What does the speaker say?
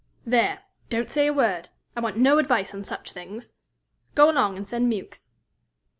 There! don't say a word. I want no advice on such things. Go along, and send Mewks."